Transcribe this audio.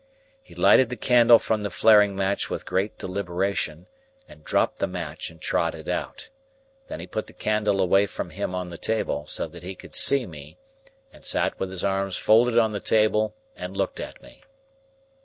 He lighted the candle from the flaring match with great deliberation, and dropped the match, and trod it out. Then he put the candle away from him on the table, so that he could see me, and sat with his arms folded on the table and looked at me.